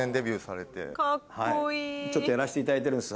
ちょっとやらせていただいてるんですよ